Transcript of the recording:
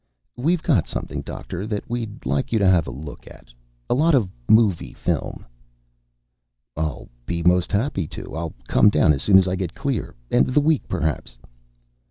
"We've got something, Doctor, that we'd like you to have a look at. A lot of movie film." "I'll be most happy to. I'll come down as soon as I get clear. End of the week, perhaps?"